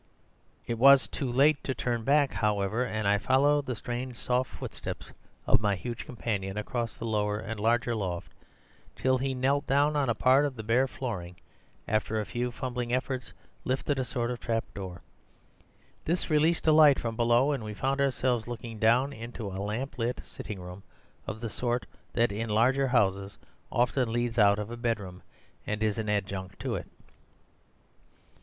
"It was too late to turn back, however, and I followed the strangely soft footsteps of my huge companion across the lower and larger loft, till he knelt down on a part of the bare flooring and, after a few fumbling efforts, lifted a sort of trapdoor. This released a light from below, and we found ourselves looking down into a lamp lit sitting room, of the sort that in large houses often leads out of a bedroom, and is an adjunct to it.